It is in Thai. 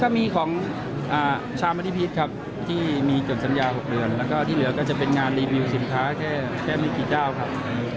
ของชามณิพิษครับที่มีจดสัญญา๖เดือนแล้วก็ที่เหลือก็จะเป็นงานรีวิวสินค้าแค่ไม่กี่เจ้าครับ